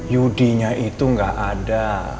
yudinya itu gak ada